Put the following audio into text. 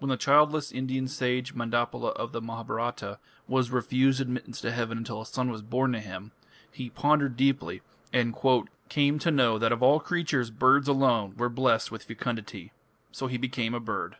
When the childless Indian sage Mandapala of the Mahabharata was refused admittance to heaven until a son was born to him, he "pondered deeply" and "came to know that of all creatures birds alone were blest with fecundity"; so he became a bird.